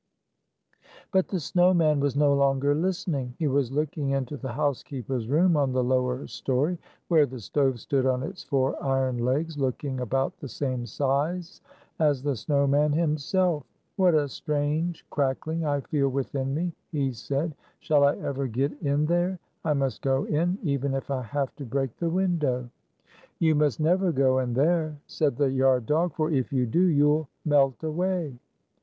But the snow man was no longer listening. He was looking into the housekeeper's room on 209 the lower story, where the stove stood on its four iron legs, looking about the same size as the snow man himself. "What a strange crack ling I feel within me!" he said. "Shall I ever get in there? I must go in, even if I have to break the window." "You must never go in there," said the yard dog; "for if you do, you 'll melt away."